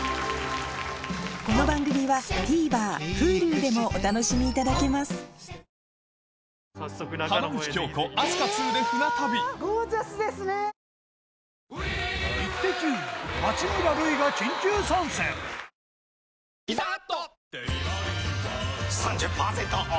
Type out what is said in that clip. この番組はＴＶｅｒＨｕｌｕでもお楽しみいただけますわっ！